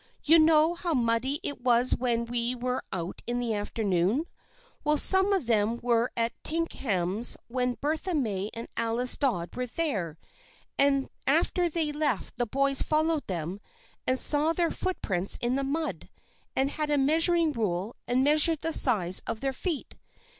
You know yesterday how muddy it was when we were out in the afternoon ? Well, some of them were at Tinkham's when Bertha Macy and Alice Dodd were there, and after they left the boys followed them and saw their footprints in the mud, and had a measuring rule and measured the size of their feet.